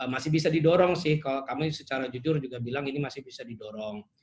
masih bisa didorong sih kalau kami secara jujur juga bilang ini masih bisa didorong